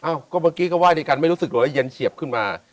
อ้าวก็เมื่อกี๊ก็ไหว้ดิกันไม่รู้สึกแต่เย็นเฉียบมา